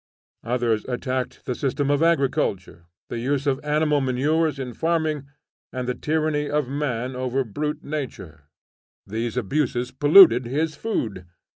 Others attacked the system of agriculture, the use of animal manures in farming, and the tyranny of man over brute nature; these abuses polluted his food.